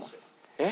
えっ？